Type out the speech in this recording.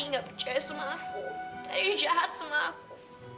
ayah gak percaya sama aku ayah jahat sama aku